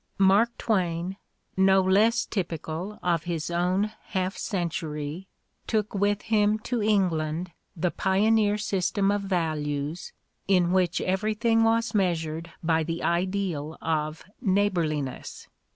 Mark Twain, no less typical of his own half century, took with him to England the pioneer system of values in which every thing was measured by the ideal of neighborliness.